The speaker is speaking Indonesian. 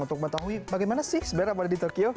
untuk mengetahui bagaimana sih sebenarnya ada di tokyo